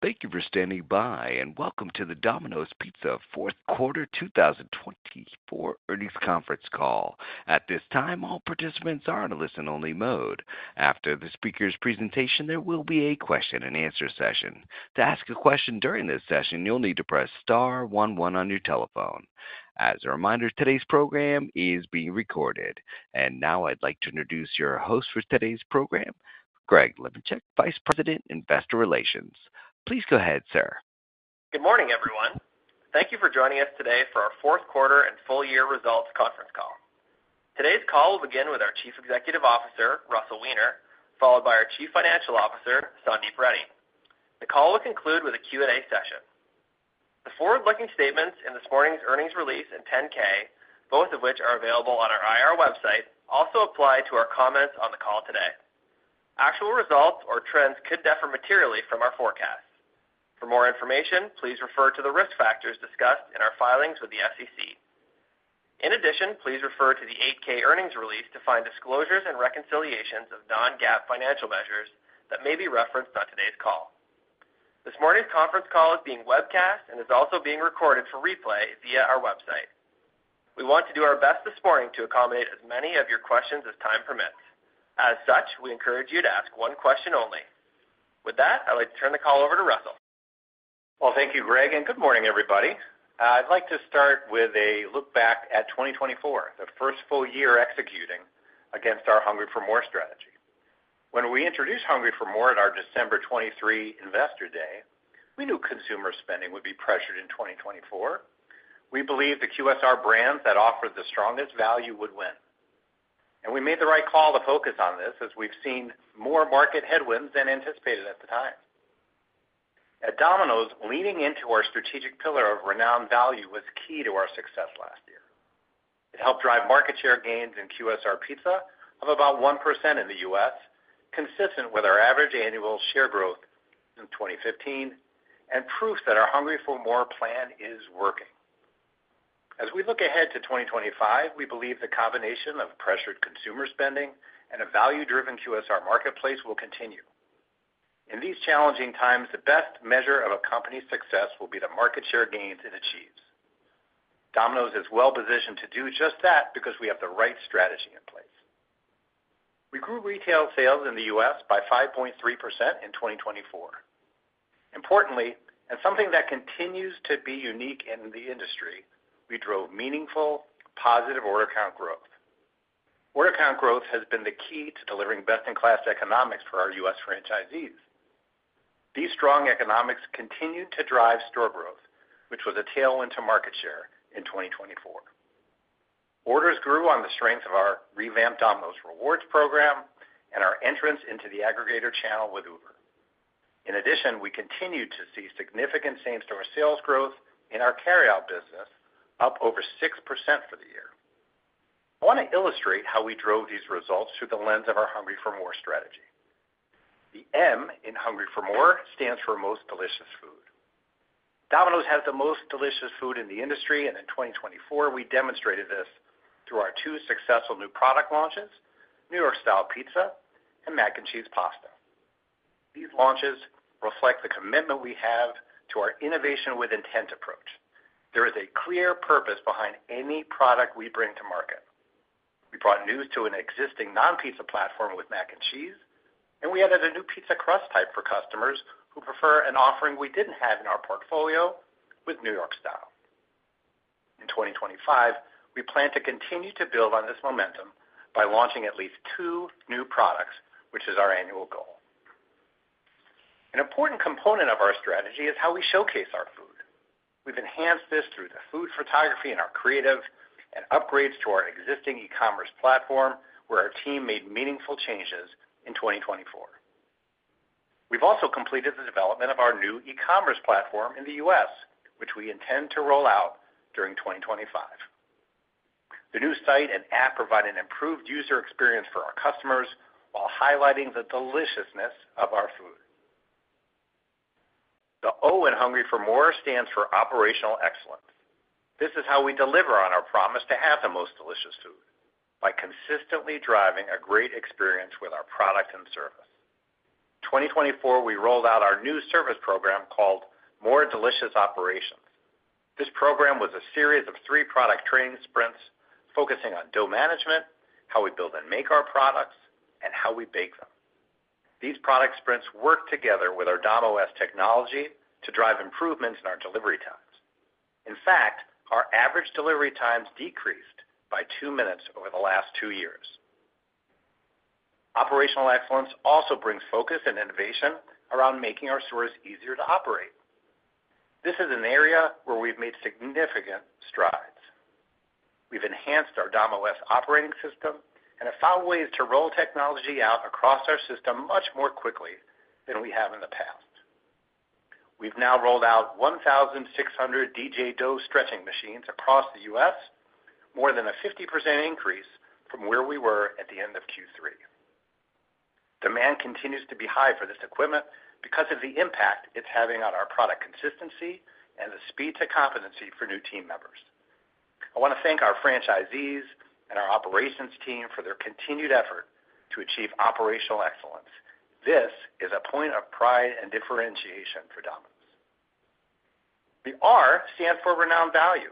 Thank you for standing by, and welcome to the Domino's Pizza Fourth Quarter 2024 Earnings conference call. At this time, all participants are in a listen-only mode. After the speaker's presentation, there will be a question-and-answer session. To ask a question during this session, you'll need to press star one one on your telephone. As a reminder, today's program is being recorded. And now I'd like to introduce your host for today's program, Greg Lemenchick, Vice President, Investor Relations. Please go ahead, sir. Good morning, everyone. Thank you for joining us today for our fourth quarter and full-year results conference call. Today's call will begin with our Chief Executive Officer, Russell Weiner, followed by our Chief Financial Officer, Sandeep Reddy. The call will conclude with a Q&A session. The forward-looking statements in this morning's earnings release and 10-K, both of which are available on our IR website, also apply to our comments on the call today. Actual results or trends could differ materially from our forecast. For more information, please refer to the risk factors discussed in our filings with the SEC. In addition, please refer to the 8-K earnings release to find disclosures and reconciliations of non-GAAP financial measures that may be referenced on today's call. This morning's conference call is being webcast and is also being recorded for replay via our website. We want to do our best this morning to accommodate as many of your questions as time permits. As such, we encourage you to ask one question only. With that, I'd like to turn the call over to Russell. Thank you, Greg, and good morning, everybody. I'd like to start with a look back at 2024, the first full year executing against our Hungry for MORE strategy. When we introduced Hungry for MORE at our December 2023 Investor Day, we knew consumer spending would be pressured in 2024. We believed the QSR brands that offered the strongest value would win. We made the right call to focus on this, as we've seen more market headwinds than anticipated at the time. At Domino's, leaning into our strategic pillar of renowned value was key to our success last year. It helped drive market share gains in QSR Pizza of about 1% in the U.S., consistent with our average annual share growth in 2015, and proof that our Hungry for MORE plan is working. As we look ahead to 2025, we believe the combination of pressured consumer spending and a value-driven QSR marketplace will continue. In these challenging times, the best measure of a company's success will be the market share gains it achieves. Domino's is well-positioned to do just that because we have the right strategy in place. We grew retail sales in the U.S. by 5.3% in 2024. Importantly, and something that continues to be unique in the industry, we drove meaningful, positive order count growth. Order count growth has been the key to delivering best-in-class economics for our U.S. franchisees. These strong economics continued to drive store growth, which was a tailwind to market share in 2024. Orders grew on the strength of our revamped Domino's Rewards program and our entrance into the aggregator channel with Uber. In addition, we continued to see significant same-store sales growth in our carry-out business, up over 6% for the year. I want to illustrate how we drove these results through the lens of our Hungry for MORE strategy. The M in Hungry for MORE stands for Most Delicious Food. Domino's has the most delicious food in the industry, and in 2024, we demonstrated this through our two successful new product launches, New York Style Pizza and Mac and Cheese Pasta. These launches reflect the commitment we have to our Innovation with Intent approach. There is a clear purpose behind any product we bring to market. We brought new to an existing non-pizza platform with Mac and Cheese, and we added a new pizza crust type for customers who prefer an offering we didn't have in our portfolio with New York Style. In 2025, we plan to continue to build on this momentum by launching at least two new products, which is our annual goal. An important component of our strategy is how we showcase our food. We've enhanced this through the food photography and our creative and upgrades to our existing e-commerce platform, where our team made meaningful changes in 2024. We've also completed the development of our new e-commerce platform in the U.S., which we intend to roll out during 2025. The new site and app provide an improved user experience for our customers while highlighting the deliciousness of our food. The O in Hungry for MORE stands for Operational Excellence. This is how we deliver on our promise to have the most delicious food by consistently driving a great experience with our product and service. In 2024, we rolled out our new service program called More Delicious Operations. This program was a series of three product training sprints focusing on dough management, how we build and make our products, and how we bake them. These product sprints worked together with our Dom.OS technology to drive improvements in our delivery times. In fact, our average delivery times decreased by two minutes over the last two years. Operational Excellence also brings focus and innovation around making our stores easier to operate. This is an area where we've made significant strides. We've enhanced our Dom.OS operating system and have found ways to roll technology out across our system much more quickly than we have in the past. We've now rolled out 1,600 DJ dough stretching machines across the U.S., more than a 50% increase from where we were at the end of Q3. Demand continues to be high for this equipment because of the impact it's having on our product consistency and the speed to competency for new team members. I want to thank our franchisees and our operations team for their continued effort to achieve operational excellence. This is a point of pride and differentiation for Domino's. The R stands for Renowned Value.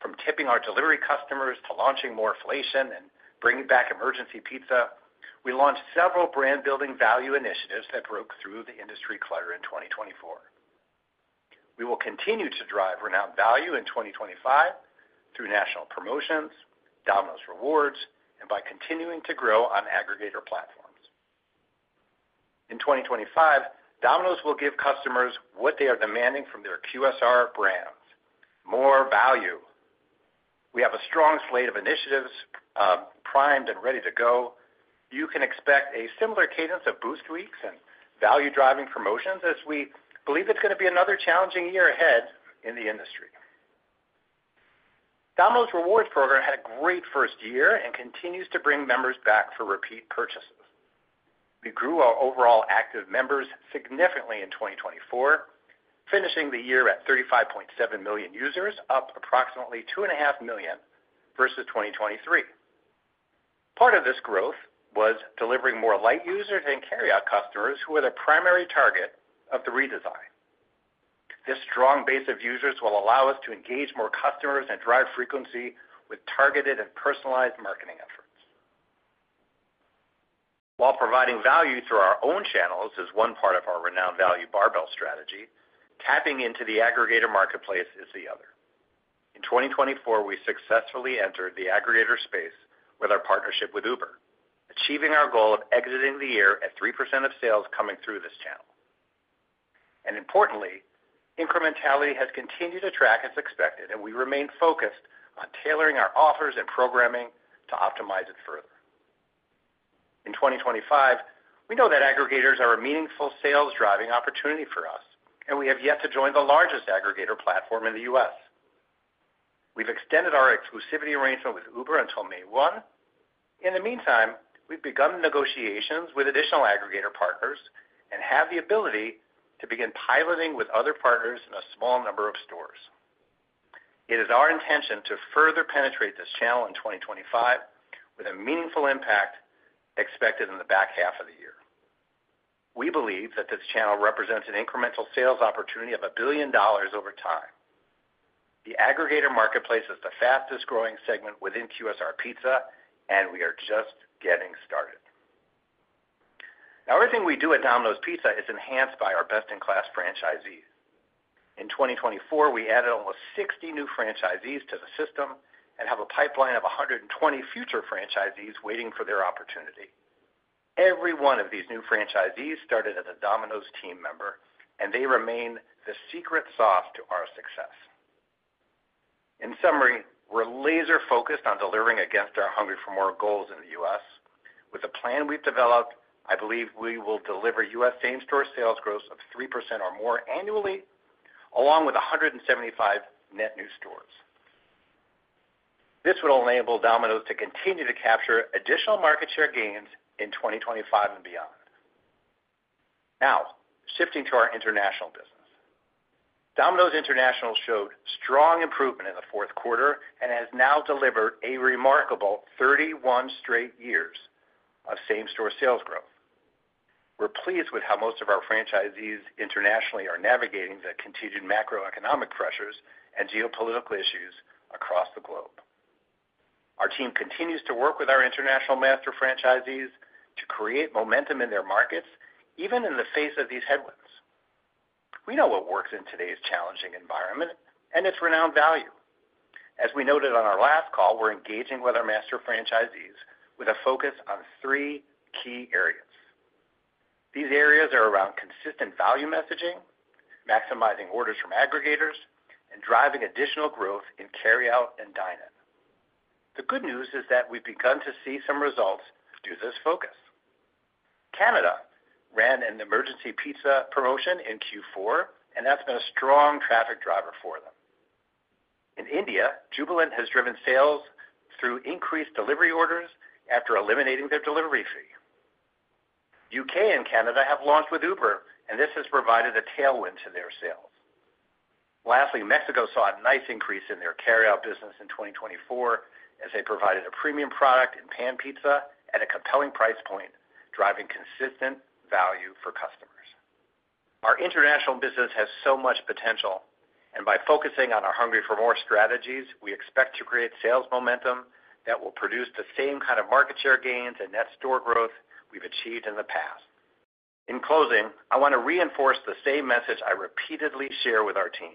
From tipping our delivery customers to launching MOREflation and bringing back Emergency Pizza, we launched several brand-building value initiatives that broke through the industry clutter in 2024. We will continue to drive Renowned Value in 2025 through national promotions, Domino's Rewards, and by continuing to grow on aggregator platforms. In 2025, Domino's will give customers what they are demanding from their QSR brands: more value. We have a strong slate of initiatives primed and ready to go. You can expect a similar cadence of Boost Weeks and value-driving promotions, as we believe it's going to be another challenging year ahead in the industry. Domino's Rewards program had a great first year and continues to bring members back for repeat purchases. We grew our overall active members significantly in 2024, finishing the year at 35.7 million users, up approximately 2.5 million versus 2023. Part of this growth was delivering more light users and carry-out customers, who were the primary target of the redesign. This strong base of users will allow us to engage more customers and drive frequency with targeted and personalized marketing efforts. While providing value through our own channels is one part of our renowned value barbell strategy, tapping into the aggregator marketplace is the other. In 2024, we successfully entered the aggregator space with our partnership with Uber, achieving our goal of exiting the year at 3% of sales coming through this channel. And importantly, incrementality has continued to track as expected, and we remain focused on tailoring our offers and programming to optimize it further. In 2025, we know that aggregators are a meaningful sales-driving opportunity for us, and we have yet to join the largest aggregator platform in the U.S. We've extended our exclusivity arrangement with Uber until May 1. In the meantime, we've begun negotiations with additional aggregator partners and have the ability to begin piloting with other partners in a small number of stores. It is our intention to further penetrate this channel in 2025, with a meaningful impact expected in the back half of the year. We believe that this channel represents an incremental sales opportunity of $1 billion over time. The aggregator marketplace is the fastest-growing segment within QSR Pizza, and we are just getting started. Now, everything we do at Domino's Pizza is enhanced by our best-in-class franchisees. In 2024, we added almost 60 new franchisees to the system and have a pipeline of 120 future franchisees waiting for their opportunity. Every one of these new franchisees started as a Domino's team member, and they remain the secret sauce to our success. In summary, we're laser-focused on delivering against our Hungry for MORE goals in the U.S. With the plan we've developed, I believe we will deliver U.S. same-store sales growth of 3% or more annually, along with 175 net new stores. This will enable Domino's to continue to capture additional market share gains in 2025 and beyond. Now, shifting to our international business. Domino's international showed strong improvement in the fourth quarter and has now delivered a remarkable 31 straight years of same-store sales growth. We're pleased with how most of our franchisees internationally are navigating the continued macroeconomic pressures and geopolitical issues across the globe. Our team continues to work with our international master franchisees to create momentum in their markets, even in the face of these headwinds. We know what works in today's challenging environment and it's renowned value. As we noted on our last call, we're engaging with our master franchisees with a focus on three key areas. These areas are around consistent value messaging, maximizing orders from aggregators, and driving additional growth in carry-out and dine-in. The good news is that we've begun to see some results through this focus. Canada ran an Emergency Pizza promotion in Q4, and that's been a strong traffic driver for them. In India, Jubilant has driven sales through increased delivery orders after eliminating their delivery fee. The U.K. and Canada have launched with Uber, and this has provided a tailwind to their sales. Lastly, Mexico saw a nice increase in their carry-out business in 2024 as they provided a premium product in pan pizza at a compelling price point, driving consistent value for customers. Our international business has so much potential, and by focusing on our Hungry for MORE strategies, we expect to create sales momentum that will produce the same kind of market share gains and net store growth we've achieved in the past. In closing, I want to reinforce the same message I repeatedly share with our team.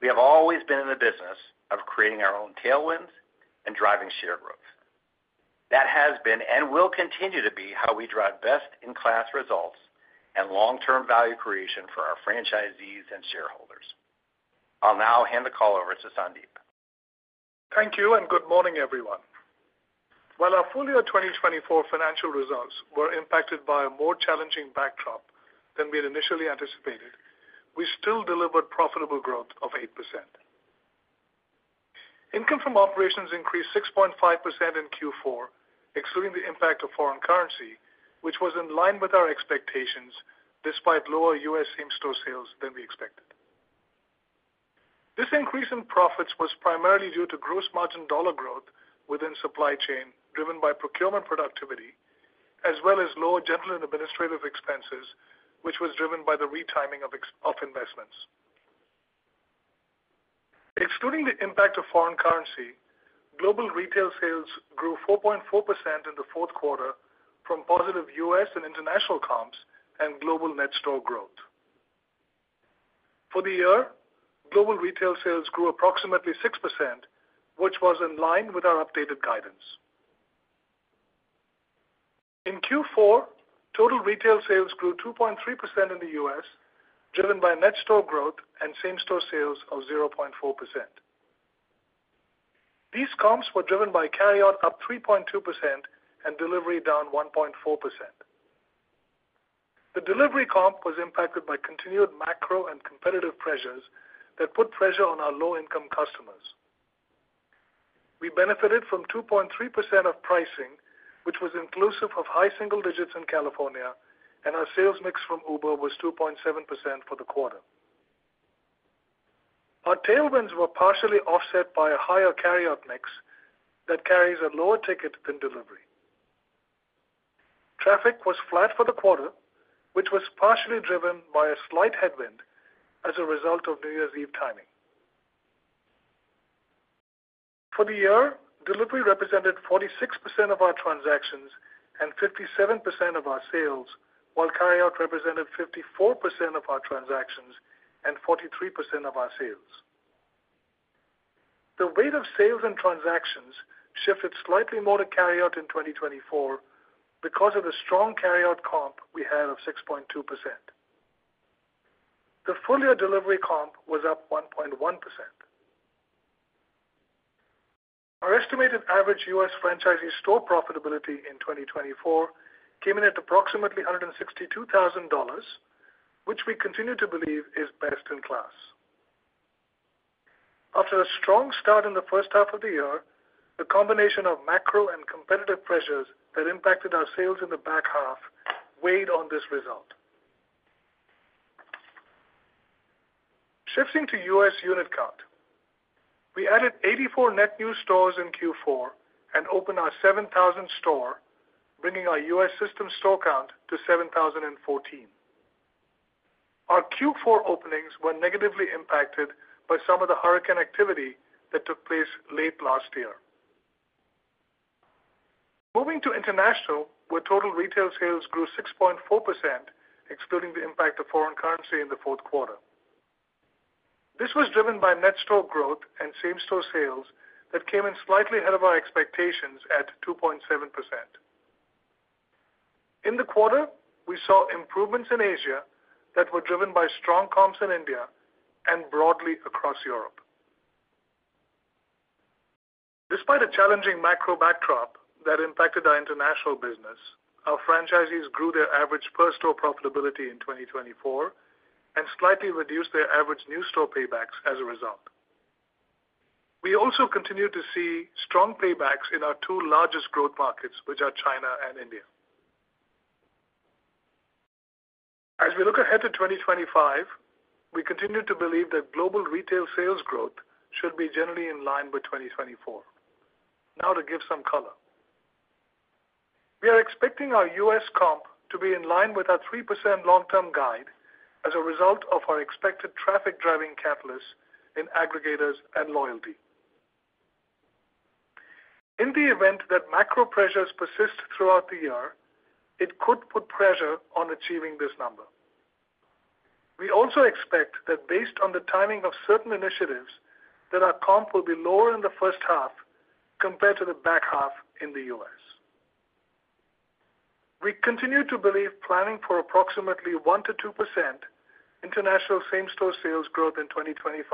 We have always been in the business of creating our own tailwinds and driving share growth. That has been and will continue to be how we drive best-in-class results and long-term value creation for our franchisees and shareholders. I'll now hand the call over to Sandeep. Thank you and good morning, everyone. While our full year 2024 financial results were impacted by a more challenging backdrop than we had initially anticipated, we still delivered profitable growth of 8%. Income from operations increased 6.5% in Q4, excluding the impact of foreign currency, which was in line with our expectations despite lower U.S. same-store sales than we expected. This increase in profits was primarily due to gross margin dollar growth within supply chain driven by procurement productivity, as well as lower general and administrative expenses, which was driven by the retiming of investments. Excluding the impact of foreign currency, global retail sales grew 4.4% in the fourth quarter from positive U.S. and international comps and global net store growth. For the year, global retail sales grew approximately 6%, which was in line with our updated guidance. In Q4, total retail sales grew 2.3% in the U.S., driven by net store growth and same-store sales of 0.4%. These comps were driven by carry-out up 3.2% and delivery down 1.4%. The delivery comp was impacted by continued macro and competitive pressures that put pressure on our low-income customers. We benefited from 2.3% of pricing, which was inclusive of high single digits in California, and our sales mix from Uber was 2.7% for the quarter. Our tailwinds were partially offset by a higher carry-out mix that carries a lower ticket than delivery. Traffic was flat for the quarter, which was partially driven by a slight headwind as a result of New Year's Eve timing. For the year, delivery represented 46% of our transactions and 57% of our sales, while carry-out represented 54% of our transactions and 43% of our sales. The weight of sales and transactions shifted slightly more to carry-out in 2024 because of the strong carry-out comp we had of 6.2%. The full year delivery comp was up 1.1%. Our estimated average U.S. franchisee store profitability in 2024 came in at approximately $162,000, which we continue to believe is best in class. After a strong start in the first half of the year, the combination of macro and competitive pressures that impacted our sales in the back half weighed on this result. Shifting to U.S. unit count, we added 84 net new stores in Q4 and opened our 7,000th store, bringing our U.S. system store count to 7,014. Our Q4 openings were negatively impacted by some of the hurricane activity that took place late last year. Moving to international, total retail sales grew 6.4%, excluding the impact of foreign currency in the fourth quarter. This was driven by net store growth and same-store sales that came in slightly ahead of our expectations at 2.7%. In the quarter, we saw improvements in Asia that were driven by strong comps in India and broadly across Europe. Despite a challenging macro backdrop that impacted our international business, our franchisees grew their average per-store profitability in 2024 and slightly reduced their average new store paybacks as a result. We also continue to see strong paybacks in our two largest growth markets, which are China and India. As we look ahead to 2025, we continue to believe that global retail sales growth should be generally in line with 2024. Now, to give some color, we are expecting our U.S. comp to be in line with our 3% long-term guide as a result of our expected traffic-driving catalysts in aggregators and loyalty. In the event that macro pressures persist throughout the year, it could put pressure on achieving this number. We also expect that based on the timing of certain initiatives, that our comp will be lower in the first half compared to the back half in the U.S. We continue to believe planning for approximately 1%-2% international same-store sales growth in 2025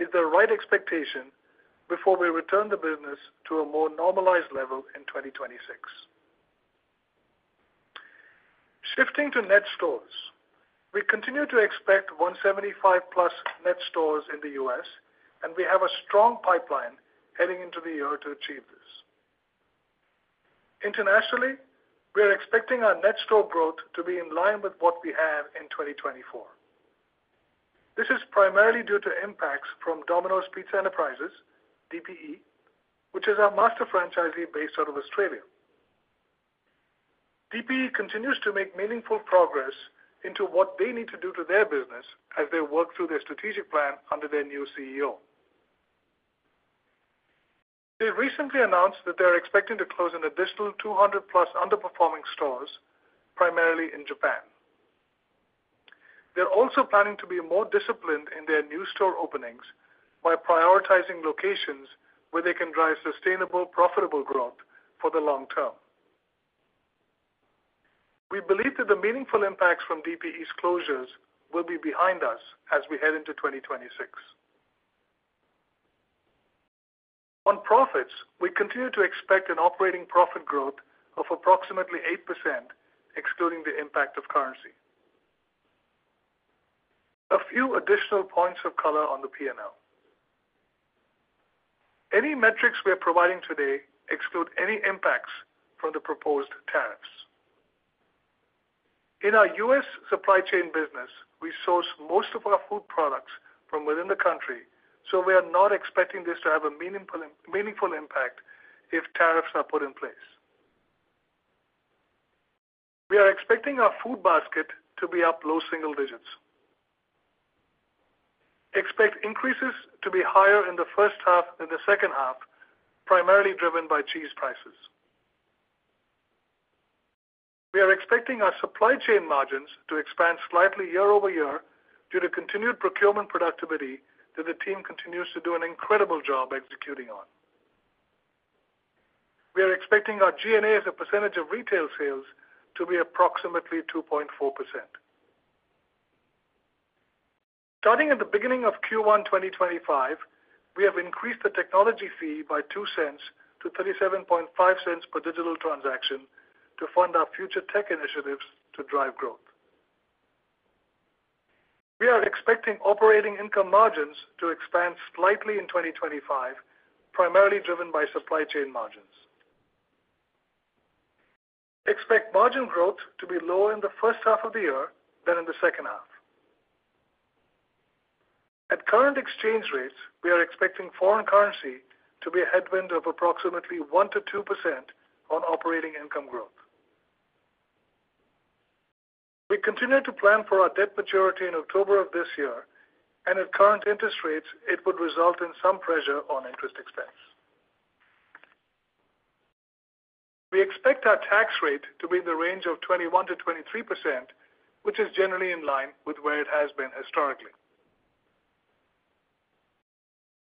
is the right expectation before we return the business to a more normalized level in 2026. Shifting to net stores, we continue to expect 175-plus net stores in the U.S., and we have a strong pipeline heading into the year to achieve this. Internationally, we are expecting our net store growth to be in line with what we had in 2024. This is primarily due to impacts from Domino's Pizza Enterprises, DPE, which is our master franchisee based out of Australia. DPE continues to make meaningful progress into what they need to do to their business as they work through their strategic plan under their new CEO. They recently announced that they are expecting to close an additional 200+ underperforming stores, primarily in Japan. They're also planning to be more disciplined in their new store openings by prioritizing locations where they can drive sustainable, profitable growth for the long term. We believe that the meaningful impacts from DPE's closures will be behind us as we head into 2026. On profits, we continue to expect an operating profit growth of approximately 8%, excluding the impact of currency. A few additional points of color on the P&L. Any metrics we are providing today exclude any impacts from the proposed tariffs. In our US supply chain business, we source most of our food products from within the country, so we are not expecting this to have a meaningful impact if tariffs are put in place. We are expecting our food basket to be up low single digits. Expect increases to be higher in the first half than the second half, primarily driven by cheese prices. We are expecting our supply chain margins to expand slightly year over year due to continued procurement productivity that the team continues to do an incredible job executing on. We are expecting our G&A as a percentage of retail sales to be approximately 2.4%. Starting at the beginning of Q1 2025, we have increased the technology fee by $0.02 to $0.375 per digital transaction to fund our future tech initiatives to drive growth. We are expecting operating income margins to expand slightly in 2025, primarily driven by supply chain margins. Expect margin growth to be lower in the first half of the year than in the second half. At current exchange rates, we are expecting foreign currency to be a headwind of approximately 1%-2% on operating income growth. We continue to plan for our debt maturity in October of this year, and at current interest rates, it would result in some pressure on interest expense. We expect our tax rate to be in the range of 21%-23%, which is generally in line with where it has been historically.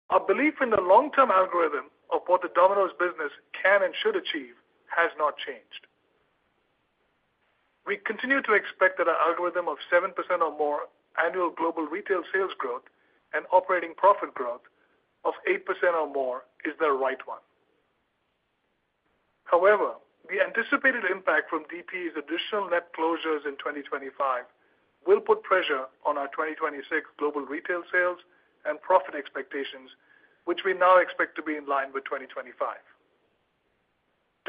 Our belief in the long-term algorithm of what the Domino's business can and should achieve has not changed. We continue to expect that our algorithm of 7% or more annual global retail sales growth and operating profit growth of 8% or more is the right one. However, the anticipated impact from DPE's additional net closures in 2025 will put pressure on our 2026 global retail sales and profit expectations, which we now expect to be in line with 2025.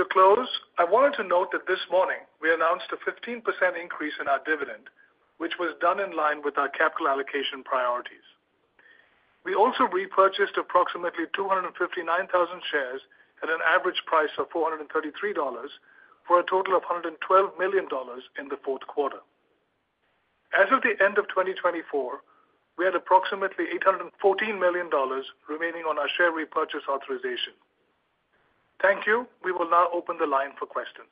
To close, I wanted to note that this morning we announced a 15% increase in our dividend, which was done in line with our capital allocation priorities. We also repurchased approximately 259,000 shares at an average price of $433 for a total of $112 million in the fourth quarter. As of the end of 2024, we had approximately $814 million remaining on our share repurchase authorization. Thank you. We will now open the line for questions.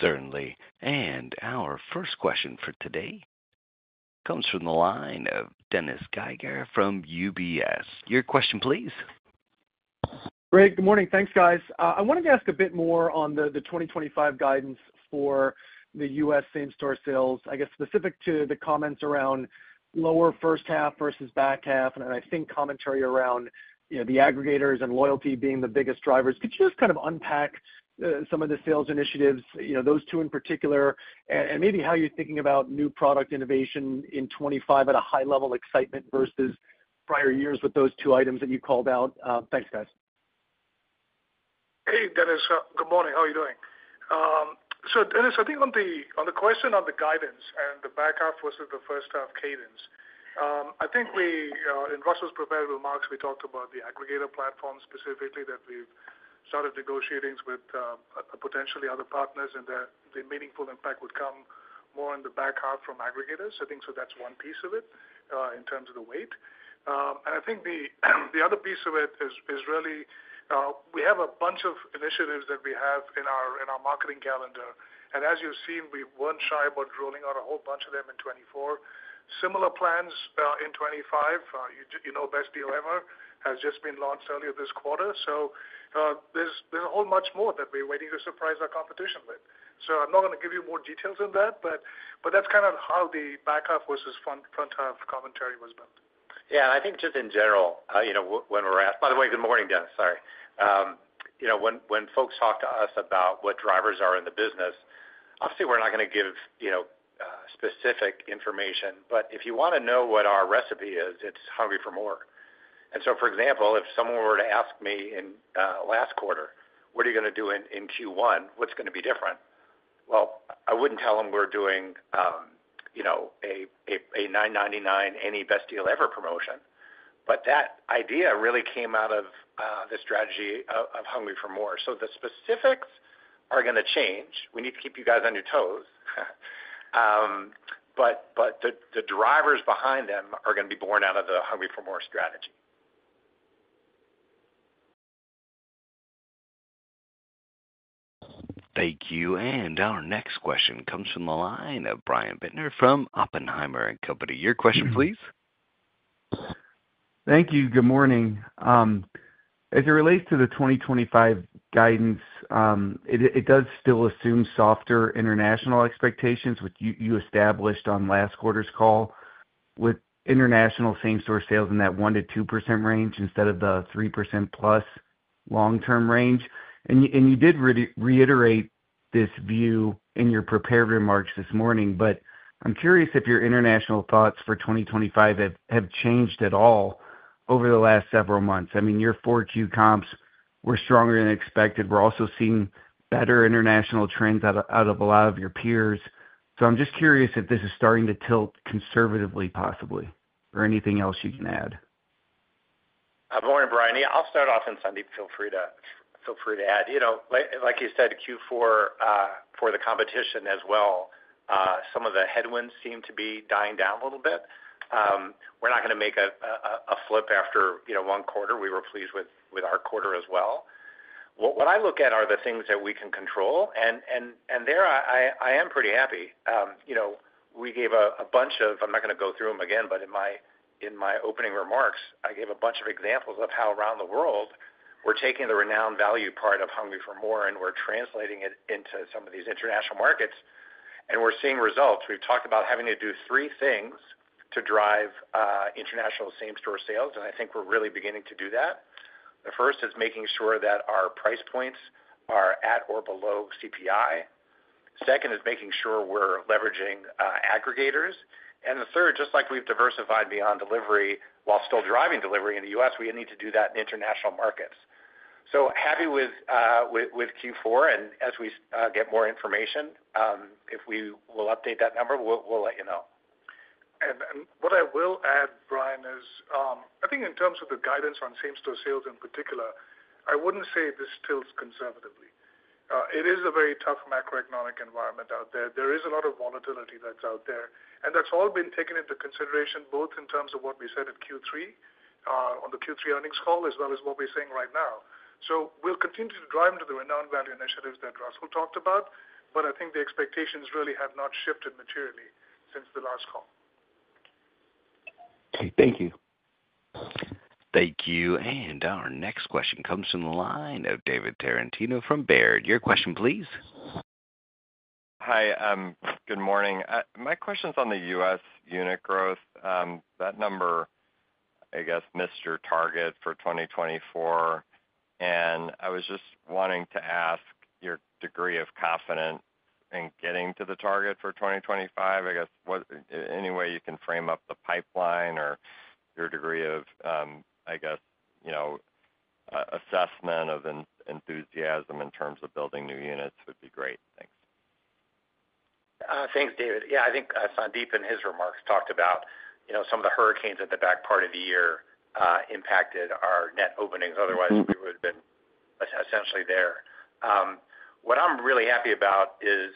Certainly. And our first question for today comes from the line of Dennis Geiger from UBS. Your question, please. Great. Good morning. Thanks, guys. I wanted to ask a bit more on the 2025 guidance for the U.S. same-store sales, I guess specific to the comments around lower first half versus back half, and I think commentary around the aggregators and loyalty being the biggest drivers. Could you just kind of unpack some of the sales initiatives, those two in particular, and maybe how you're thinking about new product innovation in 2025 at a high-level excitement versus prior years with those two items that you called out? Thanks, guys. Hey, Dennis. Good morning. How are you doing? So, Dennis, I think on the question on the guidance and the back half versus the first half cadence, I think in Russell's prepared remarks, we talked about the aggregator platform specifically that we've started negotiating with potentially other partners and that the meaningful impact would come more in the back half from aggregators. I think so that's one piece of it in terms of the weight. And I think the other piece of it is really we have a bunch of initiatives that we have in our marketing calendar. And as you've seen, we weren't shy about rolling out a whole bunch of them in 2024. Similar plans in 2025, you know Best Deal Ever has just been launched earlier this quarter. So there's a whole much more that we're waiting to surprise our competition with. So I'm not going to give you more details on that, but that's kind of how the back half versus front half commentary was built. Yeah. And I think just in general, when we're asked, by the way, good morning, Dennis. Sorry. When folks talk to us about what drivers are in the business, obviously we're not going to give specific information, but if you want to know what our recipe is, it's Hungry for MORE. And so, for example, if someone were to ask me in last quarter, "What are you going to do in Q1? What's going to be different?" Well, I wouldn't tell them we're doing a $9.99 any Best Deal Ever promotion, but that idea really came out of the strategy of Hungry for MORE. So the specifics are going to change. We need to keep you guys on your toes. But the drivers behind them are going to be born out of the Hungry for MORE strategy. Thank you. And our next question comes from the line of Brian Bittner from Oppenheimer & Co. Your question, please. Thank you. Good morning. As it relates to the 2025 guidance, it does still assume softer international expectations, which you established on last quarter's call with international same-store sales in that 1%-2% range instead of the 3%-plus long-term range, and you did reiterate this view in your prepared remarks this morning, but I'm curious if your international thoughts for 2025 have changed at all over the last several months. I mean, your 4Q comps were stronger than expected. We're also seeing better international trends out of a lot of your peers, so I'm just curious if this is starting to tilt conservatively, possibly, or anything else you can add. Good morning, Brian. Yeah, I'll start off, and Sandeep, feel free to add. Like you said, Q4, for the competition as well, some of the headwinds seem to be dying down a little bit. We're not going to make a flip after one quarter. We were pleased with our quarter as well. What I look at are the things that we can control, and there, I am pretty happy. We gave a bunch of. I'm not going to go through them again, but in my opening remarks, I gave a bunch of examples of how around the world we're taking the Renowned Value part of Hungry for MORE, and we're translating it into some of these international markets, and we're seeing results. We've talked about having to do three things to drive international same-store sales, and I think we're really beginning to do that. The first is making sure that our price points are at or below CPI. Second is making sure we're leveraging aggregators. And the third, just like we've diversified beyond delivery while still driving delivery in the U.S., we need to do that in international markets. So happy with Q4, and as we get more information, if we will update that number, we'll let you know. And what I will add, Brian, is I think in terms of the guidance on same-store sales in particular, I wouldn't say this tilts conservatively. It is a very tough macroeconomic environment out there. There is a lot of volatility that's out there, and that's all been taken into consideration both in terms of what we said at Q3, on the Q3 earnings call, as well as what we're seeing right now. So we'll continue to drive into the renowned value initiatives that Russell talked about, but I think the expectations really have not shifted materially since the last call. Okay. Thank you. Thank you. Our next question comes from the line of David Tarantino from Baird. Your question, please. Hi. Good morning. My question's on the U.S. unit growth. That number, I guess, missed your target for 2024. And I was just wanting to ask your degree of confidence in getting to the target for 2025. I guess any way you can frame up the pipeline or your degree of, I guess, assessment of enthusiasm in terms of building new units would be great. Thanks. Thanks, David. Yeah, I think Sandeep in his remarks talked about some of the hurricanes at the back part of the year impacted our net openings. Otherwise, we would have been essentially there. What I'm really happy about is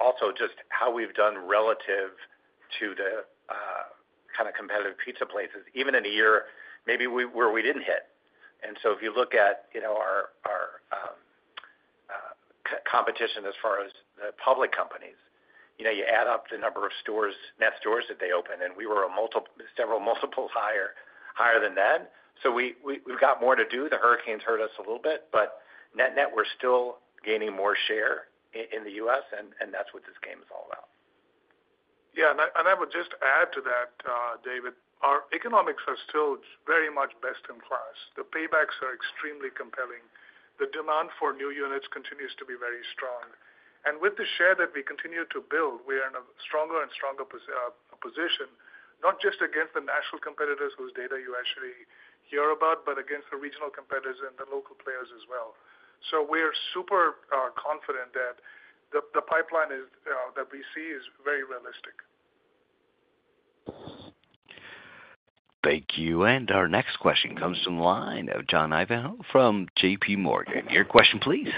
also just how we've done relative to the kind of competitive pizza places, even in a year maybe where we didn't hit. And so if you look at our competition as far as the public companies, you add up the number of net stores that they open, and we were several multiples higher than that. So we've got more to do. The hurricanes hurt us a little bit, but net net, we're still gaining more share in the U.S., and that's what this game is all about. Yeah, and I would just add to that, David. Our economics are still very much best in class. The paybacks are extremely compelling. The demand for new units continues to be very strong, and with the share that we continue to build, we are in a stronger and stronger position, not just against the national competitors whose data you actually hear about, but against the regional competitors and the local players as well, so we're super confident that the pipeline that we see is very realistic. Thank you. And our next question comes from the line of John Ivankoe from JPMorgan. Your question, please.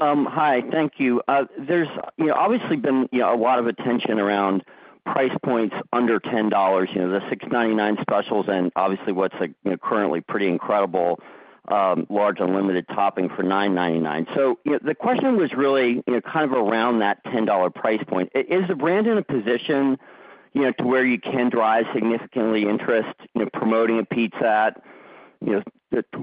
Hi. Thank you. There's obviously been a lot of attention around price points under $10, the $6.99 specials, and obviously what's currently pretty incredible large unlimited topping for $9.99. So the question was really kind of around that $10 price point. Is the brand in a position to where you can drive significantly interest promoting a pizza at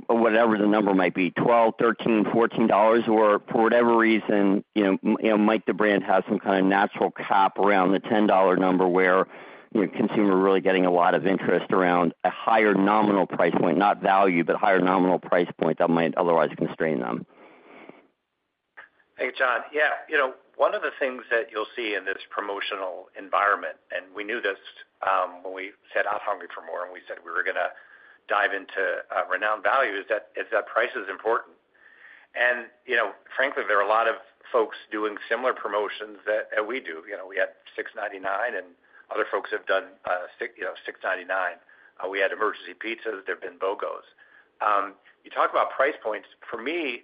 whatever the number might be, $12, $13, $14, or for whatever reason, might the brand have some kind of natural cap around the $10 number where consumers are really getting a lot of interest around a higher nominal price point, not value, but higher nominal price point that might otherwise constrain them? Thank you, John. Yeah. One of the things that you'll see in this promotional environment, and we knew this when we set out Hungry for MORE, and we said we were going to dive into Renowned Value, is that price is important. And frankly, there are a lot of folks doing similar promotions that we do. We had $6.99, and other folks have done $6.99. We had Emergency Pizza. There have been BOGOs. You talk about price points. For me,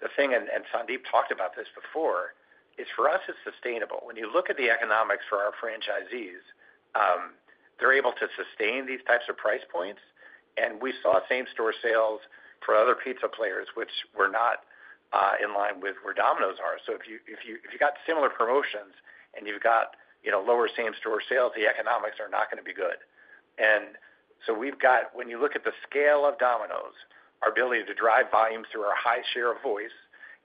the thing, and Sandeep talked about this before, is for us, it's sustainable. When you look at the economics for our franchisees, they're able to sustain these types of price points. And we saw same-store sales for other pizza players, which were not in line with where Domino's are. So if you've got similar promotions and you've got lower same-store sales, the economics are not going to be good. When you look at the scale of Domino's, our ability to drive volume through our high share of voice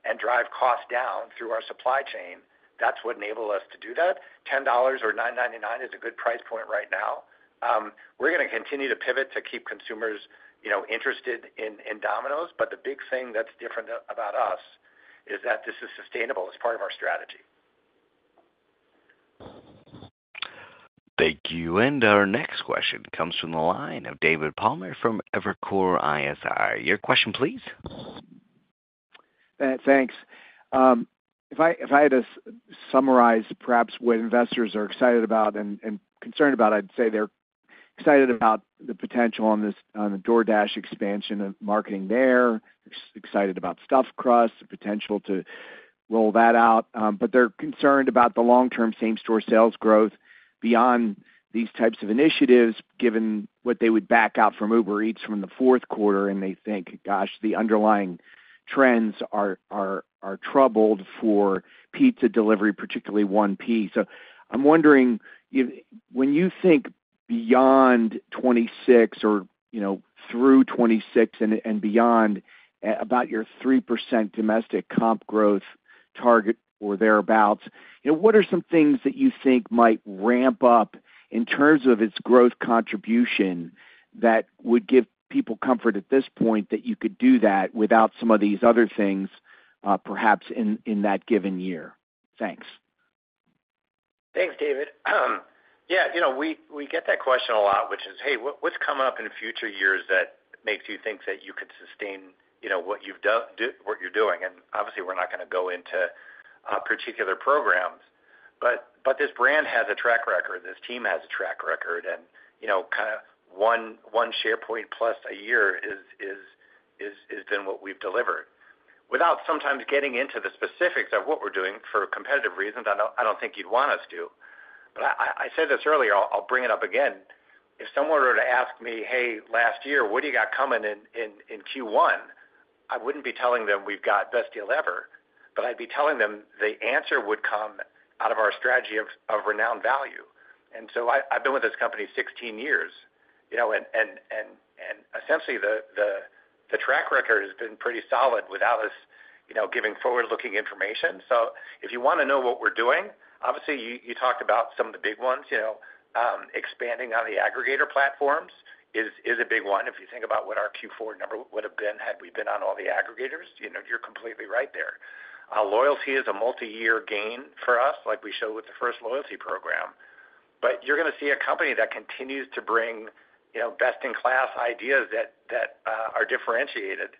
and drive cost down through our supply chain, that's what enabled us to do that. $10 or $9.99 is a good price point right now. We're going to continue to pivot to keep consumers interested in Domino's, but the big thing that's different about us is that this is sustainable. It's part of our strategy. Thank you. And our next question comes from the line of David Palmer from Evercore ISI. Your question, please. Thanks. If I had to summarize perhaps what investors are excited about and concerned about, I'd say they're excited about the potential on the DoorDash expansion of marketing there. They're excited about Stuffed Crust, the potential to roll that out. But they're concerned about the long-term same-store sales growth beyond these types of initiatives, given what they would back out from Uber Eats from the fourth quarter, and they think, "Gosh, the underlying trends are troubled for pizza delivery, particularly 1P." So I'm wondering, when you think beyond 2026 or through 2026 and beyond about your 3% domestic comp growth target or thereabouts, what are some things that you think might ramp up in terms of its growth contribution that would give people comfort at this point that you could do that without some of these other things, perhaps in that given year? Thanks. Thanks, David. Yeah. We get that question a lot, which is, "Hey, what's coming up in future years that makes you think that you could sustain what you're doing?" And obviously, we're not going to go into particular programs, but this brand has a track record. This team has a track record. And kind of one SharePoint-plus a year has been what we've delivered. Without sometimes getting into the specifics of what we're doing for competitive reasons, I don't think you'd want us to. But I said this earlier. I'll bring it up again. If someone were to ask me, "Hey, last year, what do you got coming in Q1?" I wouldn't be telling them we've got Best Deal Ever, but I'd be telling them the answer would come out of our strategy of renowned value. And so I've been with this company 16 years, and essentially, the track record has been pretty solid without us giving forward-looking information. So if you want to know what we're doing, obviously, you talked about some of the big ones. Expanding on the aggregator platforms is a big one. If you think about what our Q4 number would have been had we been on all the aggregators, you're completely right there. Loyalty is a multi-year gain for us, like we showed with the first loyalty program. But you're going to see a company that continues to bring best-in-class ideas that are differentiated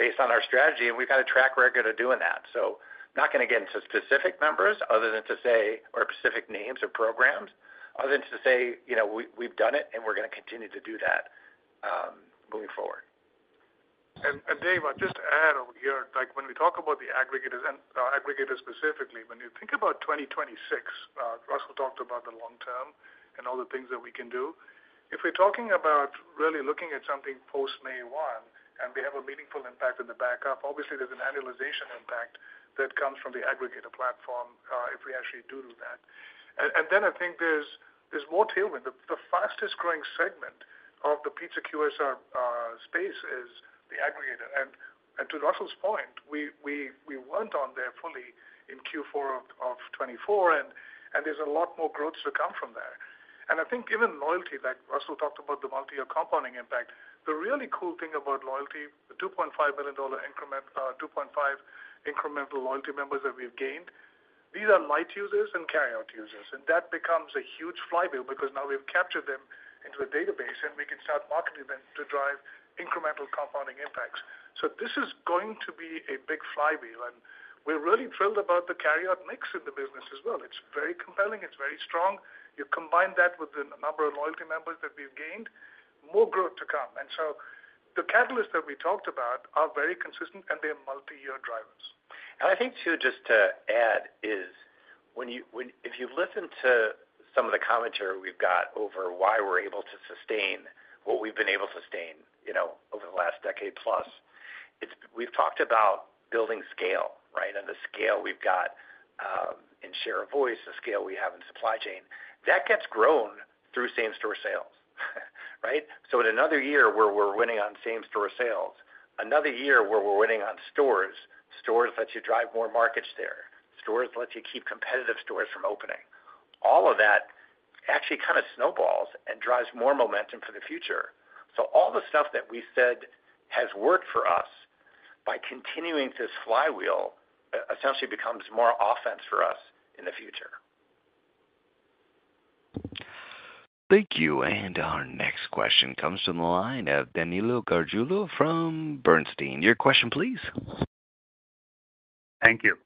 based on our strategy, and we've got a track record of doing that. So, I'm not going to get into specific numbers other than to say, or specific names of programs, other than to say we've done it, and we're going to continue to do that moving forward. Dave, I'll just add over here. When we talk about the aggregators specifically, when you think about 2026, Russell talked about the long term and all the things that we can do. If we're talking about really looking at something post-May 1 and we have a meaningful impact in the backup, obviously, there's an annualization impact that comes from the aggregator platform if we actually do do that. And then I think there's more tailwind. The fastest-growing segment of the pizza QSR space is the aggregator. And to Russell's point, we weren't on there fully in Q4 of '24, and there's a lot more growth to come from there. And I think given loyalty, like Russell talked about the multi-year compounding impact, the really cool thing about loyalty, the $2.5 million incremental loyalty members that we've gained, these are light users and carry-out users. And that becomes a huge flywheel because now we've captured them into a database, and we can start marketing them to drive incremental compounding impacts. So this is going to be a big flywheel, and we're really thrilled about the carry-out mix in the business as well. It's very compelling. It's very strong. You combine that with the number of loyalty members that we've gained, more growth to come. And so the catalysts that we talked about are very consistent, and they're multi-year drivers. I think too, just to add, is if you've listened to some of the commentary we've got over why we're able to sustain what we've been able to sustain over the last decade-plus, we've talked about building scale, right? And the scale we've got in Share of Voice, the scale we have in supply chain, that gets grown through same-store sales, right? So in another year where we're winning on same-store sales, another year where we're winning on stores, stores let you drive more markets there. Stores let you keep competitive stores from opening. All of that actually kind of snowballs and drives more momentum for the future. So all the stuff that we said has worked for us by continuing this flywheel essentially becomes more offense for us in the future. Thank you. And our next question comes from the line of Danilo Gargiulo from Bernstein. Your question, please. Thank you.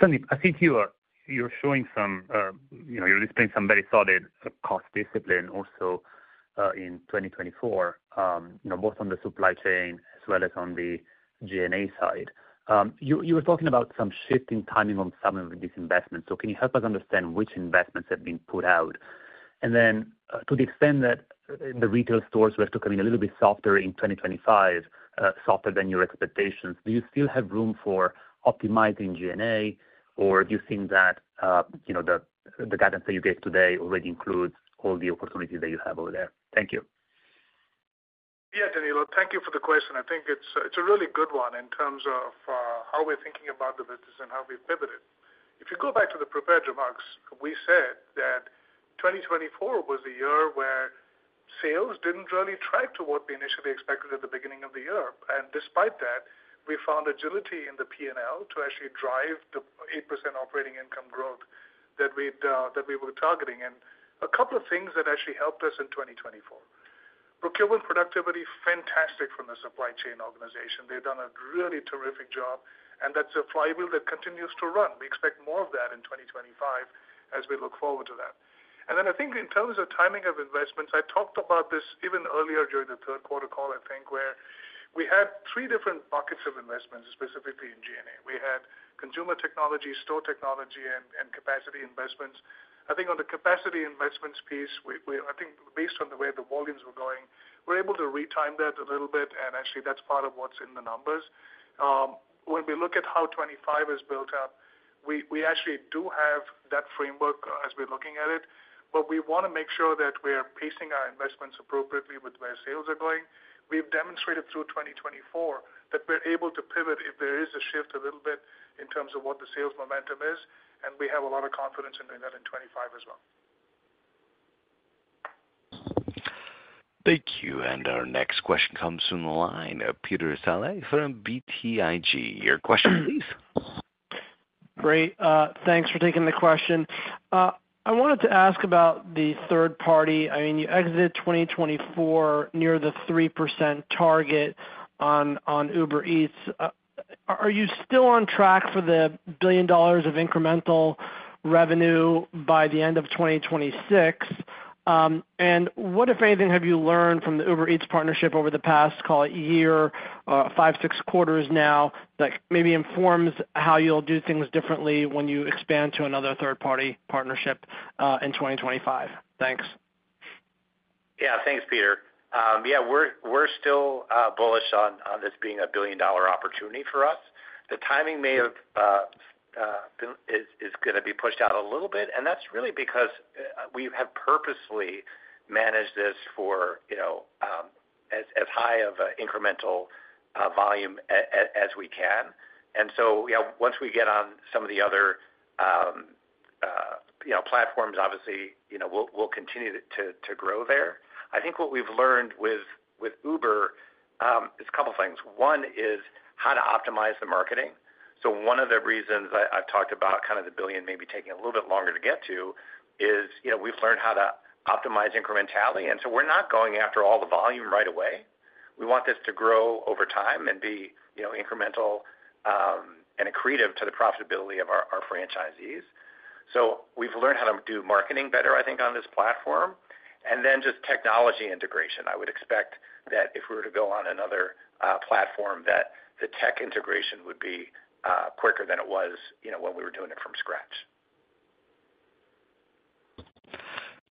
Sandeep, I think you're displaying some very solid cost discipline also in 2024, both on the supply chain as well as on the G&A side. You were talking about some shift in timing on some of these investments. So can you help us understand which investments have been put out? And then to the extent that the retail stores were to come in a little bit softer in 2025, softer than your expectations, do you still have room for optimizing G&A, or do you think that the guidance that you gave today already includes all the opportunities that you have over there? Thank you. Yeah, Danilo, thank you for the question. I think it's a really good one in terms of how we're thinking about the business and how we've pivoted. If you go back to the prepared remarks, we said that 2024 was a year where sales didn't really track to what we initially expected at the beginning of the year, and despite that, we found agility in the P&L to actually drive the 8% operating income growth that we were targeting. A couple of things that actually helped us in 2024. Procurement productivity, fantastic from the supply chain organization. They've done a really terrific job, and that's a flywheel that continues to run. We expect more of that in 2025 as we look forward to that. And then I think in terms of timing of investments, I talked about this even earlier during the third quarter call, I think, where we had three different buckets of investments, specifically in G&A. We had consumer technology, store technology, and capacity investments. I think on the capacity investments piece, I think based on the way the volumes were going, we're able to retime that a little bit, and actually that's part of what's in the numbers. When we look at how 2025 is built up, we actually do have that framework as we're looking at it, but we want to make sure that we're pacing our investments appropriately with where sales are going. We've demonstrated through 2024 that we're able to pivot if there is a shift a little bit in terms of what the sales momentum is, and we have a lot of confidence in doing that in 2025 as well. Thank you. And our next question comes from the line of Peter Saleh from BTIG. Your question, please. Great. Thanks for taking the question. I wanted to ask about the third party. I mean, you exited 2024 near the 3% target on Uber Eats. Are you still on track for the $1 billion of incremental revenue by the end of 2026? And what, if anything, have you learned from the Uber Eats partnership over the past, call it, year, five, six quarters now, that maybe informs how you'll do things differently when you expand to another third-party partnership in 2025? Thanks. Yeah. Thanks, Peter. Yeah, we're still bullish on this being a billion-dollar opportunity for us. The timing is going to be pushed out a little bit, and that's really because we have purposely managed this for as high of an incremental volume as we can. And so once we get on some of the other platforms, obviously, we'll continue to grow there. I think what we've learned with Uber is a couple of things. One is how to optimize the marketing. So one of the reasons I've talked about kind of the billion maybe taking a little bit longer to get to is we've learned how to optimize incrementality. And so we're not going after all the volume right away. We want this to grow over time and be incremental and accretive to the profitability of our franchisees. So we've learned how to do marketing better, I think, on this platform. And then just technology integration. I would expect that if we were to go on another platform, that the tech integration would be quicker than it was when we were doing it from scratch.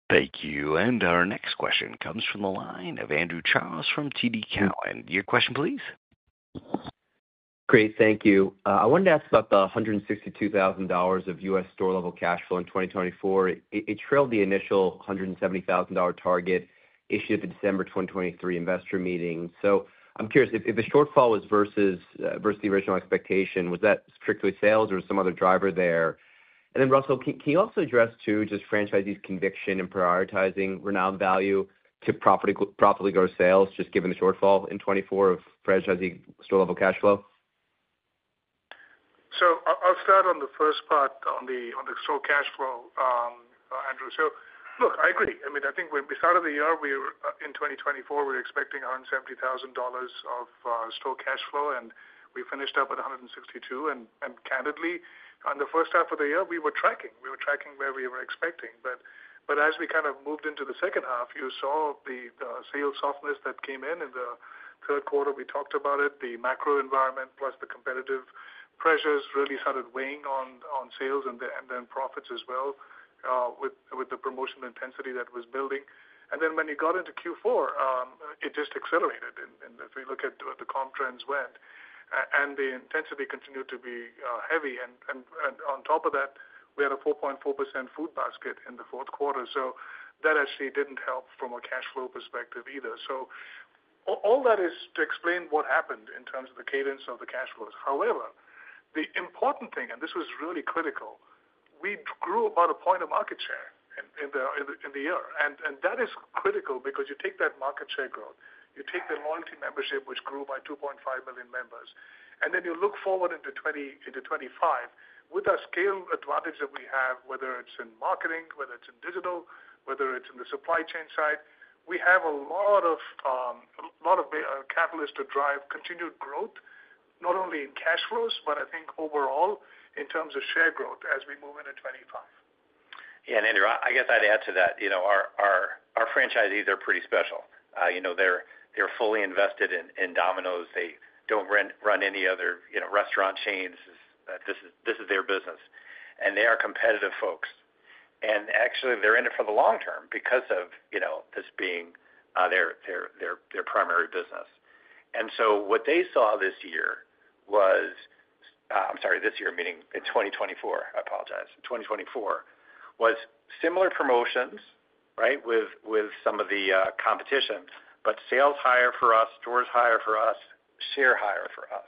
Thank you. And our next question comes from the line of Andrew Charles from TD Cowen. Your question, please. Great. Thank you. I wanted to ask about the $162,000 of U.S. store-level cash flow in 2024. It trailed the initial $170,000 target issued at the December 2023 investor meeting. So I'm curious, if the shortfall was versus the original expectation, was that strictly sales or was there some other driver there? And then, Russell, can you also address too just franchisees' conviction in prioritizing renowned value to profitably grow sales, just given the shortfall in 2024 of franchisee store-level cash flow? I'll start on the first part on the store cash flow, Andrew. Look, I agree. I mean, I think when we started the year, in 2024, we were expecting $170,000 of store cash flow, and we finished up at $162,000. Candidly, on the first half of the year, we were tracking. We were tracking where we were expecting. But as we kind of moved into the second half, you saw the sales softness that came in. In the third quarter, we talked about it. The macro environment plus the competitive pressures really started weighing on sales and then profits as well with the promotional intensity that was building. Then when you got into Q4, it just accelerated. If we look at where the comp trends went, and the intensity continued to be heavy. On top of that, we had a 4.4% food basket in the fourth quarter. That actually didn't help from a cash flow perspective either. All that is to explain what happened in terms of the cadence of the cash flows. However, the important thing, and this was really critical, we grew about a point of market share in the year. That is critical because you take that market share growth, you take the loyalty membership, which grew by 2.5 million members, and then you look forward into 2025, with our scale advantage that we have, whether it's in marketing, whether it's in digital, whether it's in the supply chain side, we have a lot of catalysts to drive continued growth, not only in cash flows, but I think overall in terms of share growth as we move into 2025. Yeah. And Andrew, I guess I'd add to that. Our franchisees are pretty special. They're fully invested in Domino's. They don't run any other restaurant chains. This is their business. And they are competitive folks. And actually, they're in it for the long term because of this being their primary business. And so what they saw this year was. I'm sorry, this year, meaning in 2024. I apologize. In 2024, was similar promotions, right, with some of the competition, but sales higher for us, stores higher for us, share higher for us.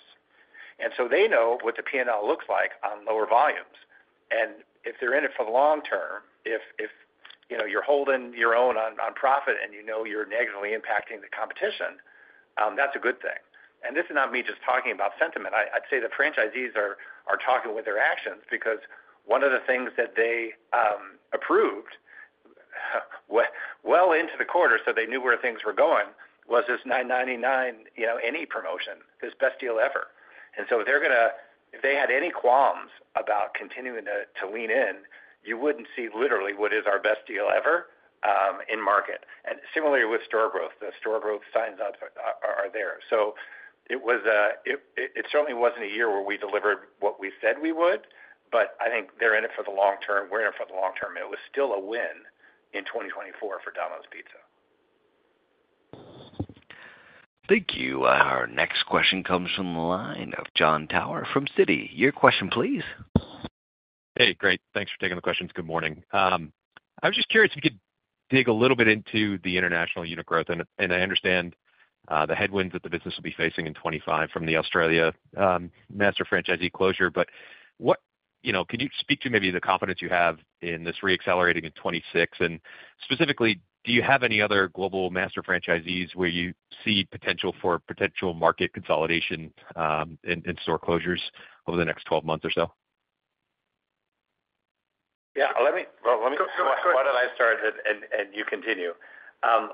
And so they know what the P&L looks like on lower volumes. And if they're in it for the long term, if you're holding your own on profit and you know you're negatively impacting the competition, that's a good thing. And this is not me just talking about sentiment. I'd say the franchisees are talking with their actions because one of the things that they approved well into the quarter, so they knew where things were going, was this $9.99 any promotion, this Best Deal Ever, and so they're going to, if they had any qualms about continuing to lean in, you wouldn't see literally what is our Best Deal Ever in market, and similarly with store growth, the store growth signs are there, so it certainly wasn't a year where we delivered what we said we would, but I think they're in it for the long term. We're in it for the long term. It was still a win in 2024 for Domino's Pizza. Thank you. Our next question comes from the line of Jon Tower from Citi. Your question, please. Hey, great. Thanks for taking the questions. Good morning. I was just curious if you could dig a little bit into the international unit growth. And I understand the headwinds that the business will be facing in 2025 from the Australia master franchisee closure. But can you speak to maybe the confidence you have in this re-accelerating in 2026? And specifically, do you have any other global master franchisees where you see potential for market consolidation and store closures over the next 12 months or so? Yeah. Well, let me, why don't I start and you continue?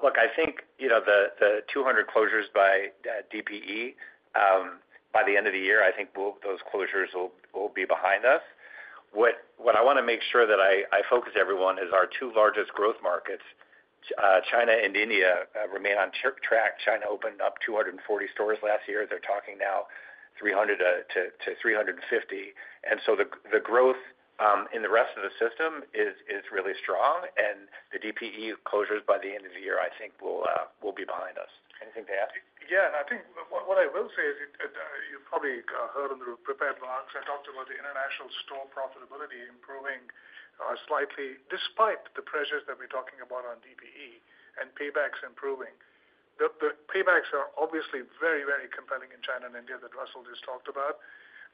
Look, I think the 200 closures by DPE by the end of the year, I think those closures will be behind us. What I want to make sure that I focus everyone is our two largest growth markets, China and India, remain on track. China opened up 240 stores last year. They're talking now 300-350. And so the growth in the rest of the system is really strong. And the DPE closures by the end of the year, I think, will be behind us. Anything to add? Yeah, and I think what I will say is you've probably heard in the prepared remarks. I talked about the international store profitability improving slightly despite the pressures that we're talking about on DPE and paybacks improving. The paybacks are obviously very, very compelling in China and India that Russell just talked about.